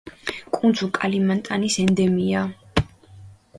კუნძულ კალიმანტანის ენდემია.